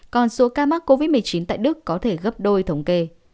còn số ca mắc covid một mươi chín tại đức có thể gấp đôi thống kê